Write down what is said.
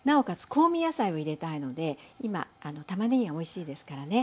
香味野菜を入れたいので今たまねぎがおいしいですからね